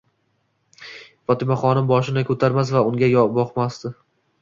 Fotimaxonim boshini ko'tarmas va unga boqmasdi.